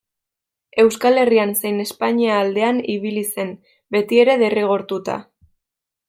Euskal Herrian zein Espainia aldean ibili zen, betiere derrigortuta.